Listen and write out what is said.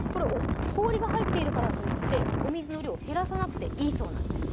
氷が入っているからといってお水の量、減らさなくていいそうです。